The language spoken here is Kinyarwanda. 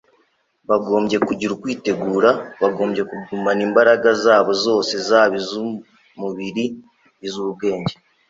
Bagombye kugira ukwitegeka. Bagombye kugumana imbaraga zabo zose zaba iz'umubiri iz'ubwenge